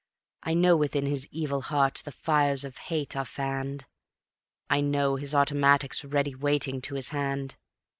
I know within his evil heart the fires of hate are fanned, I know his automatic's ready waiting to his hand.